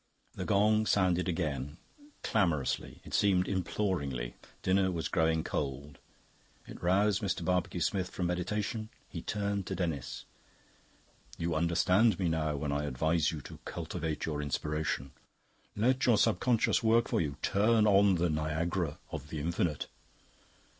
The gong sounded again, clamorously, it seemed imploringly: dinner was growing cold. It roused Mr. Barbecue Smith from meditation. He turned to Denis. "You understand me now when I advise you to cultivate your Inspiration. Let your Subconscious work for you; turn on the Niagara of the Infinite."